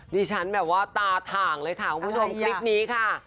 ดิฉันแบบว่าตาถ่างเลยค่ะคุณผู้ชมคลิปนี้ค่ะ